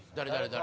誰？